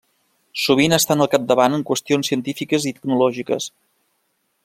Sovint estan al capdavant en qüestions científiques i tecnològiques.